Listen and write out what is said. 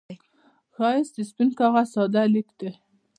ښایست د سپين کاغذ ساده لیک دی